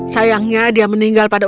sayangnya dia meninggal pada